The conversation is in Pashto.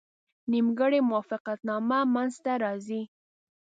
نیمګړې موافقتنامه منځته راځي.